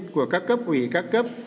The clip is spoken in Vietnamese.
của các cấp quỷ các cấp